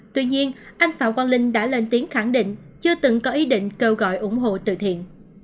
tuy nhiên anh phạm quang linh đã lên tiếng khẳng định chưa từng có ý định kêu gọi ủng hộ từ thiện